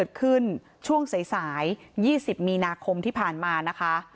เกิดขึ้นช่วงสายสาย๒๐มีนาคมที่ผ่านมานะคะ